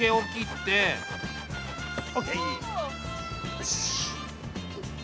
よし。